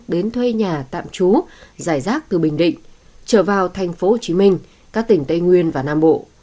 đến thuê nhà tạm trú giải rác từ bình định trở vào thành phố hồ chí minh các tỉnh tây nguyên và nam bộ